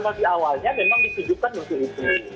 kalau di awalnya memang ditujukan untuk itu